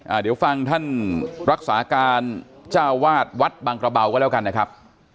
เดี๋ยวฟังท่านรักษาการเจ้าวาดวัดบางกระเบาก็แล้วกันนะครับ